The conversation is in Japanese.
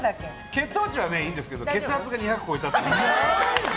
血糖値はいいんですけど血圧が２００超えた。